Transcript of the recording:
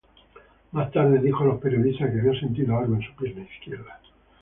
Más tarde dijo a periodistas que había sentido algo en su pierna izquierda.